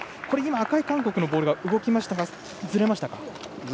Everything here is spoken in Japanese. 赤い韓国のボールが動きましたがずれましたか。